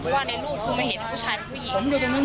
ว่าในรูปคือไม่เห็นผู้ชายเป็นผู้หญิง